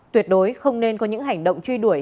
tuyệt đối không nên có những hành động truy đuổi